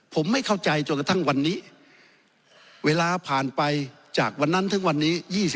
ผมไม่เข้าใจจนกระทั่งวันนี้เวลาผ่านไปจากวันนั้นถึงวันนี้